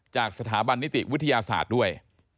จากสถาบันนิติวิทยาศาสตร์ด้วย